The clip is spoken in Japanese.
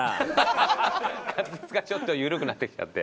滑舌がちょっと緩くなってきちゃって。